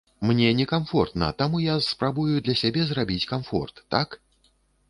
Мне не камфортна, таму я спрабую для сябе зрабіць камфорт, так?